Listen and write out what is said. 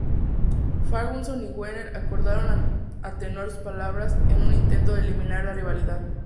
Ferguson y Wenger acordaron atenuar sus palabras, en un intento de eliminar la rivalidad.